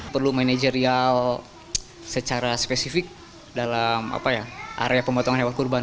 perlu manajerial secara spesifik dalam area pemotongan hewan kurban